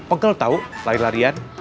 pegel tau lari larian